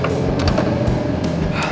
gak ada yang mau ngomong